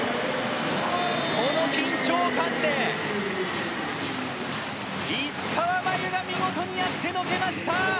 この緊張感で、石川真佑が見事にやってのけました！